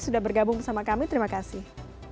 sudah bergabung bersama kami terima kasih